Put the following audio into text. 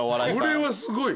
これはすごい。